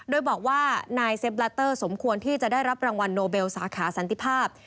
โดยบอกว่านายเซฟลาเตอร์สมควรที่จะได้รับรางวัลโนเบลสาขาสันติภาพ